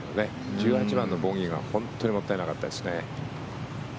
１８番のボギーが本当にもったいなかったですね。